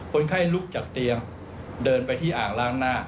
คนไข้ลุกจากเตียงเดินไปที่อ่างล้างหน้า